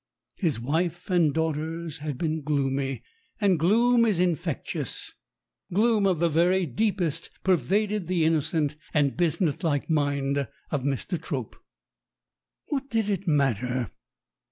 His wife and daughters had been gloomy, and gloom is infectious. Gloom of the very deepest pervaded the innocent and business like mind of Mr. Trope. What did it matter